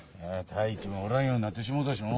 太一もおらんようなってしもうたしの。